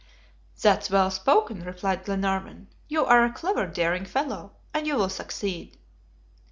"That's well spoken," replied Glenarvan. "You are a clever, daring fellow, and you will succeed."